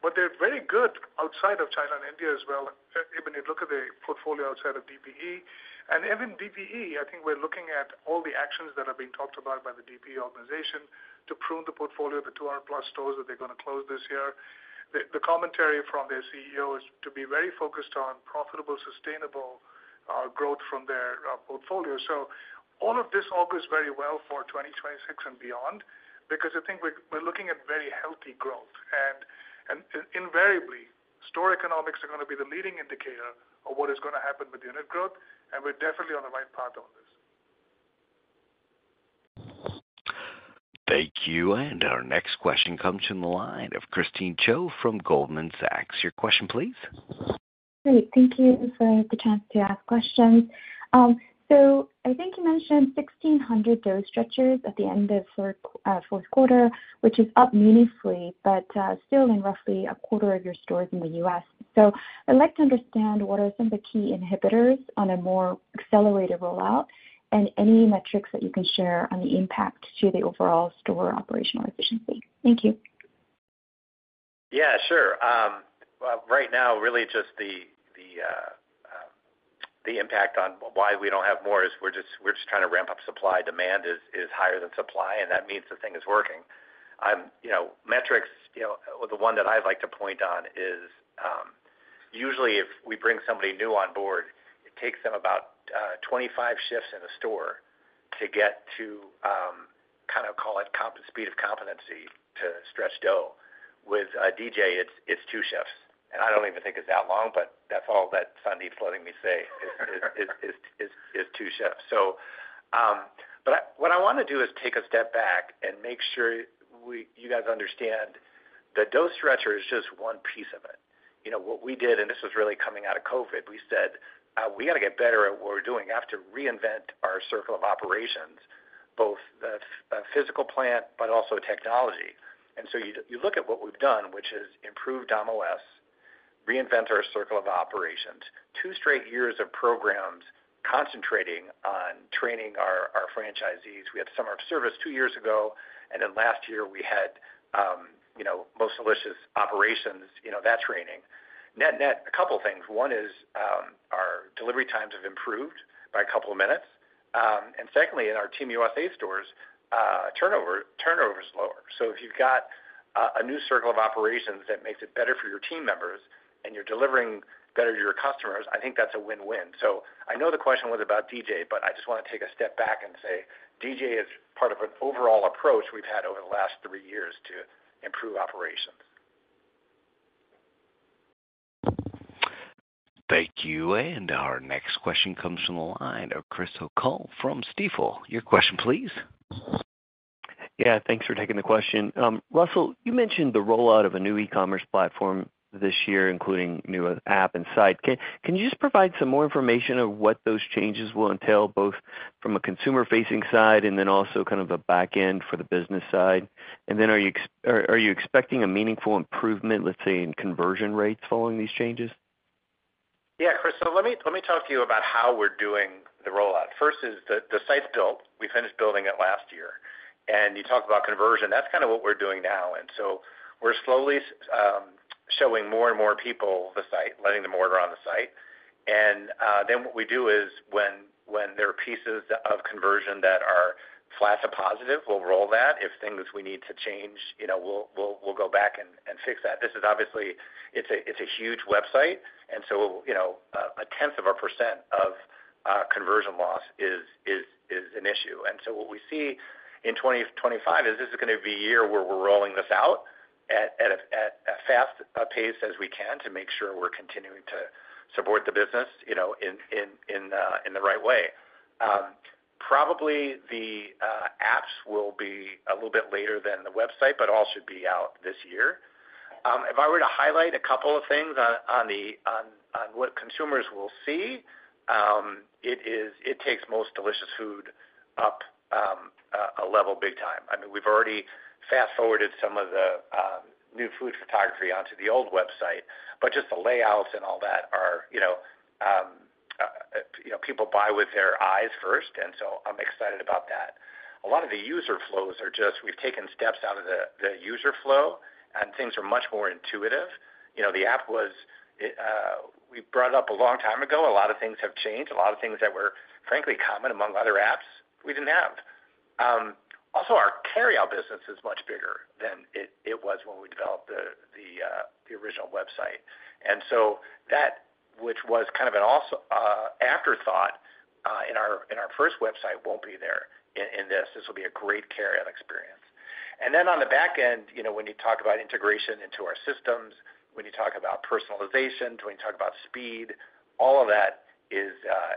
But they're very good outside of China and India as well. Even if you look at the portfolio outside of DPE. And even DPE, I think we're looking at all the actions that are being talked about by the DPE organization to prune the portfolio, the 200-plus stores that they're going to close this year. The commentary from their CEO is to be very focused on profitable, sustainable growth from their portfolio. So all of this augurs very well for 2026 and beyond because I think we're looking at very healthy growth. Invariably, store economics are going to be the leading indicator of what is going to happen with unit growth. And we're definitely on the right path on this. Thank you. And our next question comes from the line of Christine Cho from Goldman Sachs. Your question, please. Great. Thank you for the chance to ask questions. So I think you mentioned 1,600 dough stretchers at the end of fourth quarter, which is up meaningfully, but still in roughly a quarter of your stores in the U.S. So I'd like to understand what are some of the key inhibitors on a more accelerated rollout and any metrics that you can share on the impact to the overall store operational efficiency? Thank you. Yeah, sure. Right now, really just the impact on why we don't have more is we're just trying to ramp up supply. Demand is higher than supply, and that means the thing is working. Metrics, the one that I'd like to point on is usually if we bring somebody new on board, it takes them about 25 shifts in a store to get to kind of call it speed of competency to stretch dough. With DJ, it's two shifts. And I don't even think it's that long, but that's all that Sandeep's letting me say is two shifts. But what I want to do is take a step back and make sure you guys understand the dough stretcher is just one piece of it. What we did, and this was really coming out of COVID, we said, "We got to get better at what we're doing. I have to reinvent our circle of operations, both the physical plant but also technology," and so you look at what we've done, which is improve Dom.OS, reinvent our circle of operations. Two straight years of programs concentrating on training our franchisees. We had Summer of Service two years ago, and then last year we had More Delicious Operations, that training. Net-net, a couple of things. One is our delivery times have improved by a couple of minutes, and secondly, in our Team USA stores, turnover is lower, so if you've got a new circle of operations that makes it better for your team members and you're delivering better to your customers, I think that's a win-win. So I know the question was about DJ, but I just want to take a step back and say DJ is part of an overall approach we've had over the last three years to improve operations. Thank you. And our next question comes from the line of Chris O'Cull from Stifel. Your question, please. Yeah. Thanks for taking the question. Russell, you mentioned the rollout of a new e-commerce platform this year, including new app and site. Can you just provide some more information of what those changes will entail, both from a consumer-facing side and then also kind of a backend for the business side? And then are you expecting a meaningful improvement, let's say, in conversion rates following these changes? Yeah, Chris, so let me talk to you about how we're doing the rollout. First is the site's built. We finished building it last year. And you talked about conversion. That's kind of what we're doing now. And so we're slowly showing more and more people the site, letting them order on the site. And then what we do is when there are pieces of conversion that are flat to positive, we'll roll that. If things we need to change, we'll go back and fix that. This is obviously a huge website. And so 0.1% of conversion loss is an issue. And so what we see in 2025 is this is going to be a year where we're rolling this out at a fast pace as we can to make sure we're continuing to support the business in the right way. Probably the apps will be a little bit later than the website, but all should be out this year. If I were to highlight a couple of things on what consumers will see, it takes most delicious food up a level big time. I mean, we've already fast-forwarded some of the new food photography onto the old website, but just the layouts and all that are people buy with their eyes first. And so I'm excited about that. A lot of the user flows are just we've taken steps out of the user flow, and things are much more intuitive. The app was we brought it up a long time ago. A lot of things have changed. A lot of things that were, frankly, common among other apps, we didn't have. Also, our carry-out business is much bigger than it was when we developed the original website. And so that, which was kind of an afterthought in our first website, won't be there in this. This will be a great carry-out experience. And then on the back end, when you talk about integration into our systems, when you talk about personalization, when you talk about speed, all of that is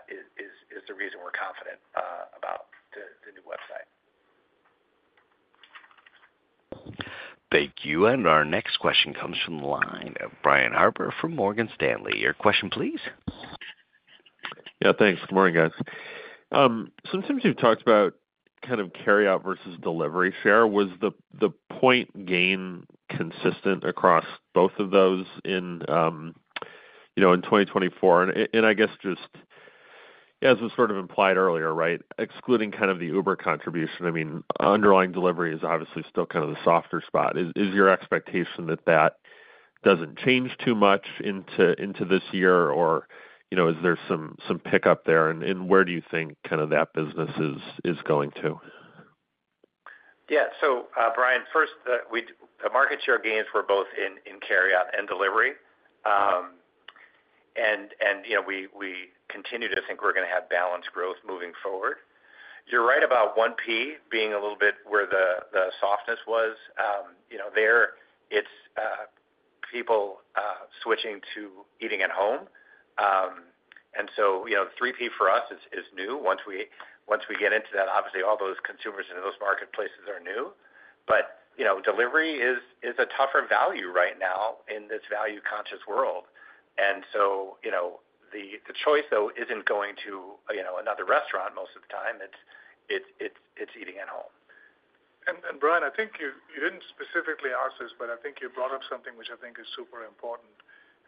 the reason we're confident about the new website. Thank you. And our next question comes from the line of Brian Harbour from Morgan Stanley. Your question, please. Yeah. Thanks. Good morning, guys. Sometimes you've talked about kind of carry-out versus delivery share. Was the point gain consistent across both of those in 2024? And I guess just, as was sort of implied earlier, right, excluding kind of the Uber contribution, I mean, underlying delivery is obviously still kind of the softer spot. Is your expectation that that doesn't change too much into this year, or is there some pickup there? And where do you think kind of that business is going to? Yeah. So, Brian, first, the market share gains were both in carry-out and delivery. And we continue to think we're going to have balanced growth moving forward. You're right about 1P being a little bit where the softness was. There, it's people switching to eating at home. And so 3P for us is new. Once we get into that, obviously, all those consumers in those marketplaces are new. But delivery is a tougher value right now in this value-conscious world. And so the choice, though, isn't going to another restaurant most of the time. It's eating at home. And Brian, I think you didn't specifically ask this, but I think you brought up something which I think is super important.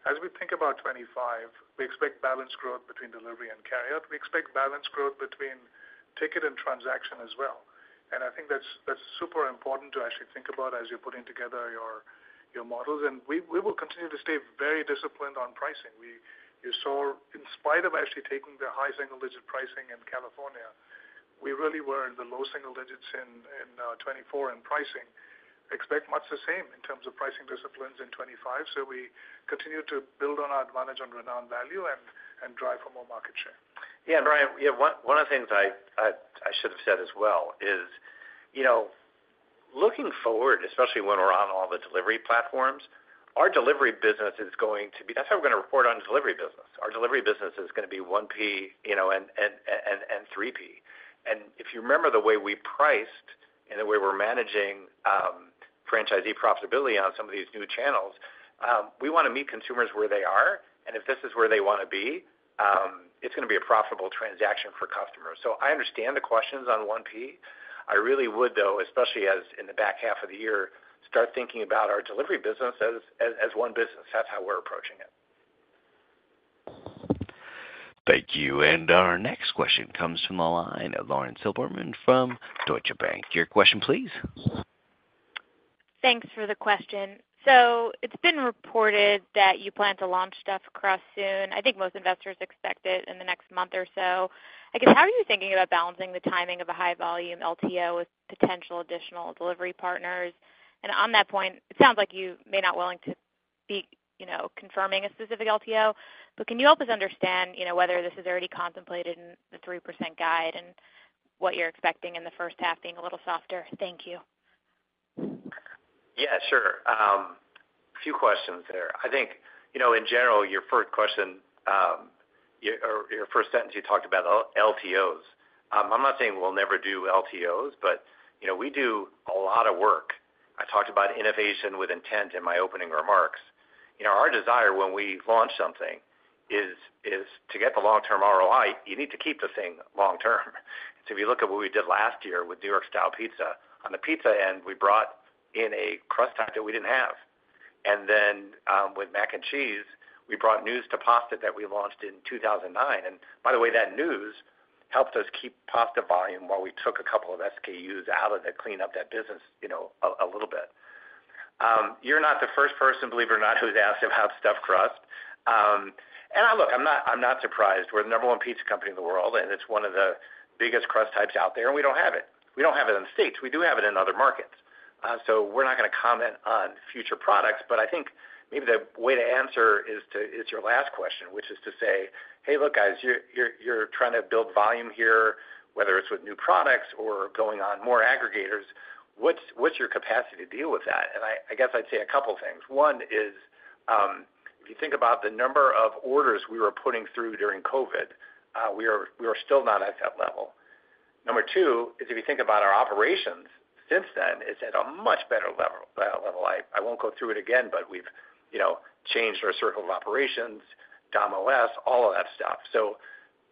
As we think about 2025, we expect balanced growth between delivery and carry-out. We expect balanced growth between ticket and transaction as well. And I think that's super important to actually think about as you're putting together your models. And we will continue to stay very disciplined on pricing. You saw, in spite of actually taking the high single-digit pricing in California, we really were in the low single digits in 2024 in pricing. Expect much the same in terms of pricing disciplines in 2025. So we continue to build on our advantage on renowned value and drive for more market share. Yeah, Brian. One of the things I should have said as well is looking forward, especially when we're on all the delivery platforms, our delivery business is going to be. That's how we're going to report on delivery business. Our delivery business is going to be 1P and 3P. And if you remember the way we priced and the way we're managing franchisee profitability on some of these new channels, we want to meet consumers where they are. And if this is where they want to be, it's going to be a profitable transaction for customers. So I understand the questions on 1P. I really would, though, especially as in the back half of the year, start thinking about our delivery business as one business. That's how we're approaching it. Thank you. And our next question comes from the line of Lauren Silberman from Deutsche Bank. Your question, please. Thanks for the question, so it's been reported that you plan to launch Stuffed Crust soon. I think most investors expect it in the next month or so. I guess, how are you thinking about balancing the timing of a high-volume LTO with potential additional delivery partners, and on that point, it sounds like you may not be willing to be confirming a specific LTO, but can you help us understand whether this is already contemplated in the 3% guide and what you're expecting in the first half being a little softer? Thank you. Yeah, sure. A few questions there. I think, in general, your first question or your first sentence, you talked about LTOs. I'm not saying we'll never do LTOs, but we do a lot of work. I talked about Innovation with Intent in my opening remarks. Our desire when we launch something is to get the long-term ROI. You need to keep the thing long-term. So if you look at what we did last year with New York-style pizza, on the pizza end, we brought in a crust type that we didn't have. And then with mac and cheese, we brought new to pasta that we launched in 2009. And by the way, that new helped us keep pasta volume while we took a couple of SKUs out of that, clean up that business a little bit. You're not the first person, believe it or not, who's asked about stuffed crust. Look, I'm not surprised. We're the number one pizza company in the world, and it's one of the biggest crust types out there, and we don't have it. We don't have it in the States. We do have it in other markets. So we're not going to comment on future products, but I think maybe the way to answer is to your last question, which is to say, "Hey, look, guys, you're trying to build volume here, whether it's with new products or going on more aggregators. What's your capacity to deal with that?" I guess I'd say a couple of things. One is, if you think about the number of orders we were putting through during COVID, we were still not at that level. Number two is, if you think about our operations since then, it's at a much better level. I won't go through it again, but we've changed our circle of operations, Dom.OS, all of that stuff. So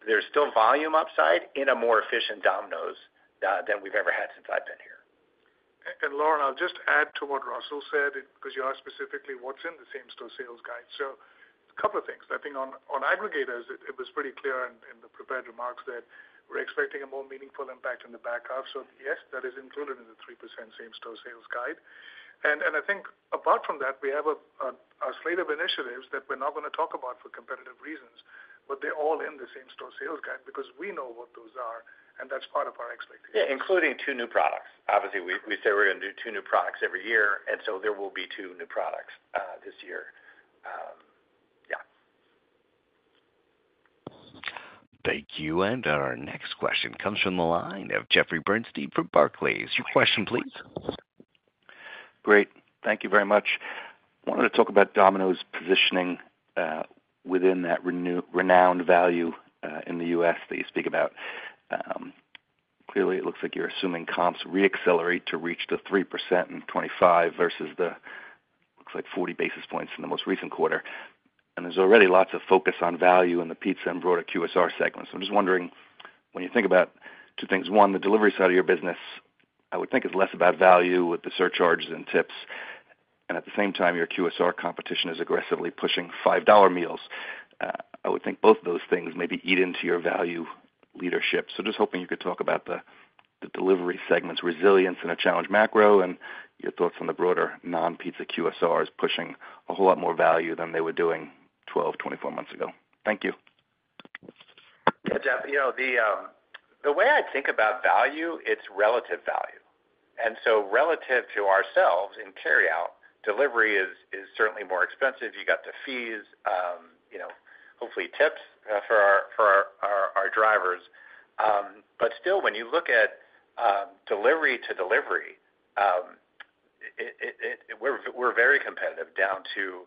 there's still volume upside in a more efficient Domino's than we've ever had since I've been here. Lauren, I'll just add to what Russell said because you asked specifically what's in the same-store sales guide. So a couple of things. I think on aggregators, it was pretty clear in the prepared remarks that we're expecting a more meaningful impact in the back half. So yes, that is included in the 3% same-store sales guide. And I think apart from that, we have a slate of initiatives that we're not going to talk about for competitive reasons, but they're all in the same-store sales guide because we know what those are, and that's part of our expectation. Yeah, including two new products. Obviously, we say we're going to do two new products every year, and so there will be two new products this year. Yeah. Thank you. And our next question comes from the line of Jeffrey Bernstein from Barclays. Your question, please. Great. Thank you very much. I wanted to talk about Domino's positioning within that renowned value in the U.S. that you speak about. Clearly, it looks like you're assuming comps re-accelerate to reach the 3% in 2025 versus the, looks like, 40 basis points in the most recent quarter. And there's already lots of focus on value in the pizza and broader QSR segment. So I'm just wondering, when you think about two things, one, the delivery side of your business, I would think it's less about value with the surcharges and tips. And at the same time, your QSR competition is aggressively pushing $5 meals. I would think both of those things maybe eat into your value leadership. Just hoping you could talk about the delivery segment's resilience in a challenging macro and your thoughts on the broader non-pizza QSRs pushing a whole lot more value than they were doing 12-24 months ago. Thank you. Yeah, Jeff, the way I think about value, it's relative value. And so relative to ourselves in carry-out, delivery is certainly more expensive. You got the fees, hopefully tips for our drivers. But still, when you look at delivery to delivery, we're very competitive down to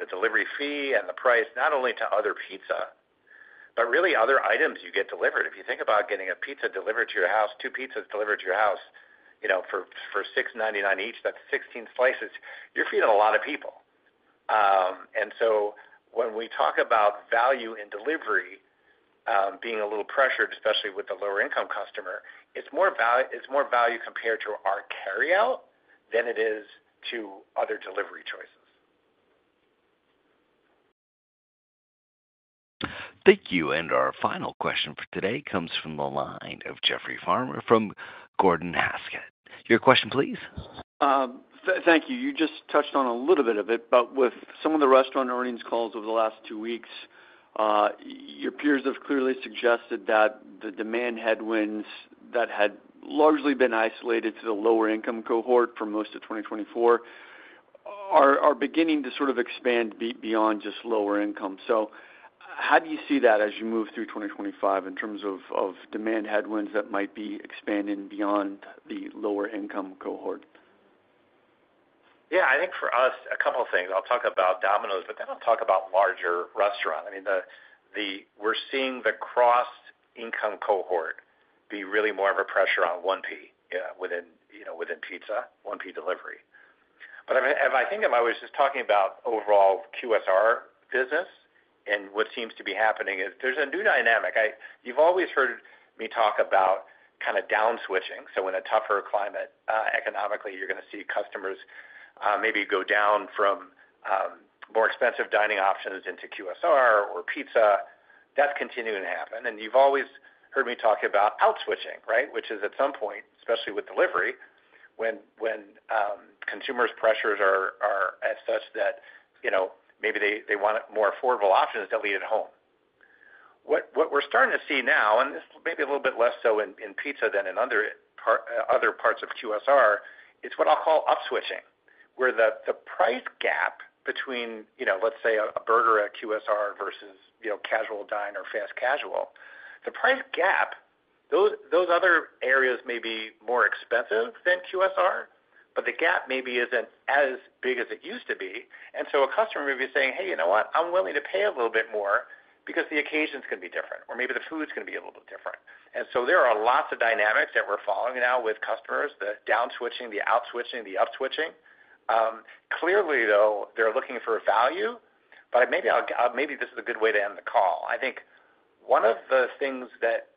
the delivery fee and the price, not only to other pizza, but really other items you get delivered. If you think about getting a pizza delivered to your house, two pizzas delivered to your house for $6.99 each, that's 16 slices. You're feeding a lot of people. And so when we talk about value in delivery being a little pressured, especially with the lower-income customer, it's more value compared to our carry-out than it is to other delivery choices. Thank you. And our final question for today comes from the line of Jeffrey Farmer from Gordon Haskett. Your question, please. Thank you. You just touched on a little bit of it, but with some of the restaurant earnings calls over the last two weeks, your peers have clearly suggested that the demand headwinds that had largely been isolated to the lower-income cohort for most of 2024 are beginning to sort of expand beyond just lower income. So how do you see that as you move through 2025 in terms of demand headwinds that might be expanding beyond the lower-income cohort? Yeah. I think for us, a couple of things. I'll talk about Domino's, but then I'll talk about larger restaurants. I mean, we're seeing the cross-income cohort be really more of a pressure on 1P within pizza, 1P delivery. But if I think about it, I was just talking about overall QSR business and what seems to be happening is there's a new dynamic. You've always heard me talk about kind of down-switching. So in a tougher climate, economically, you're going to see customers maybe go down from more expensive dining options into QSR or pizza. That's continuing to happen. And you've always heard me talk about outswitching, right, which is at some point, especially with delivery, when consumers' pressures are as such that maybe they want more affordable options delivered at home. What we're starting to see now, and this is maybe a little bit less so in pizza than in other parts of QSR, it's what I'll call up-switching, where the price gap between, let's say, a burger at QSR versus casual dine or fast casual, the price gap, those other areas may be more expensive than QSR, but the gap maybe isn't as big as it used to be. And so a customer may be saying, "Hey, you know what? I'm willing to pay a little bit more because the occasion's going to be different, or maybe the food's going to be a little bit different." And so there are lots of dynamics that we're following now with customers, the down-switching, the out-switching, the up-switching. Clearly, though, they're looking for value, but maybe this is a good way to end the call. I think one of the things that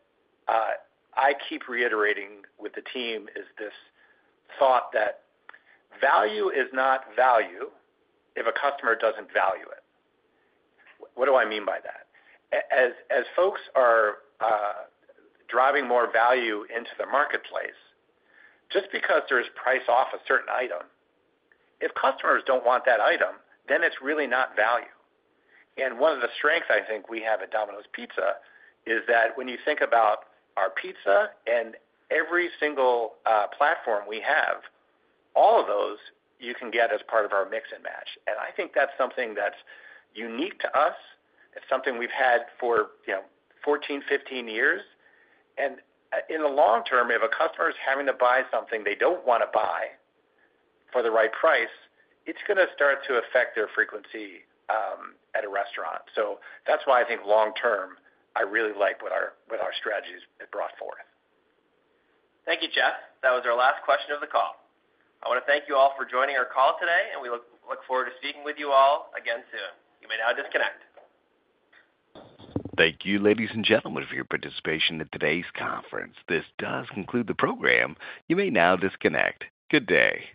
I keep reiterating with the team is this thought that value is not value if a customer doesn't value it. What do I mean by that? As folks are driving more value into the marketplace, just because there is price off a certain item, if customers don't want that item, then it's really not value. And one of the strengths, I think, we have at Domino's Pizza is that when you think about our pizza and every single platform we have, all of those you can get as part of our Mix & Match. And I think that's something that's unique to us. It's something we've had for 14, 15 years. In the long term, if a customer is having to buy something they don't want to buy for the right price, it's going to start to affect their frequency at a restaurant. So that's why I think long term, I really like what our strategy has brought forth. Thank you, Jeff. That was our last question of the call. I want to thank you all for joining our call today, and we look forward to speaking with you all again soon. You may now disconnect. Thank you, ladies and gentlemen, for your participation in today's conference. This does conclude the program. You may now disconnect. Good day.